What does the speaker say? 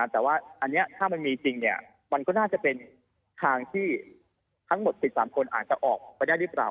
แต่ว่าอันนี้ถ้ามันมีจริงมันก็น่าจะเป็นทางที่ทั้งหมด๑๓คนอาจจะออกไปได้หรือเปล่า